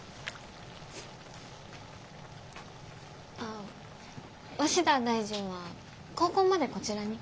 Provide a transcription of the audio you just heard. あ鷲田大臣は高校までこちらに？